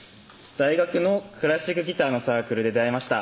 大学のクラシックギターのサークルで出会いました